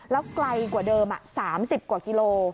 แล้วไกลกว่าเดิม๓๐กว่ากิโล